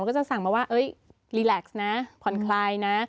เราก็จะสั่งมาว่าเอ๊ยรีลักซ์นะผ่อนคลายนะ